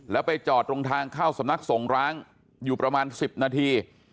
แล้วไปจอดตรงทางเข้าสำนักสงร้างอยู่ประมาณ๑๐นาที